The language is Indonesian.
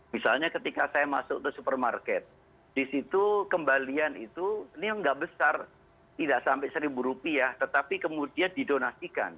misalnya ketika saya masuk ke supermarket di situ kembalian itu ini yang tidak besar tidak sampai seribu rupiah tetapi kemudian didonasikan